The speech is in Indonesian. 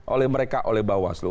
oleh mereka oleh bawaslu